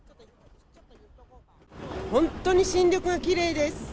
本当に新緑がきれいです。